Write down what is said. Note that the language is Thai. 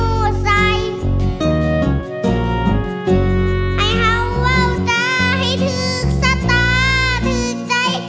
ภูมิสุขเงียวใสให้เขาเว้าจ้าให้ทึกสตาทึกใจ